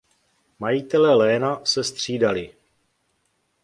Majitelé léna se střídali.